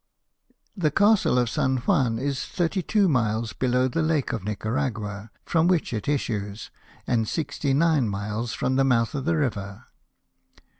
The Castle of St. Juan is thirty two miles below the Lake of Nicaragua, from which it issues, and sixty nine from the mouth of the river.